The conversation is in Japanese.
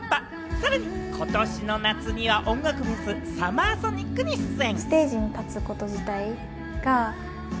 さらに、ことしの夏には音楽フェス・ＳＵＭＭＥＲＳＯＮＩＣに出演。